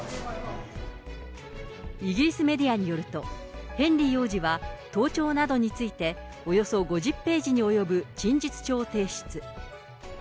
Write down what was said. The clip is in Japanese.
イギリスメディアによると、ヘンリー王子は盗聴などについて、およそ５０ページに及ぶ陳述書を提出。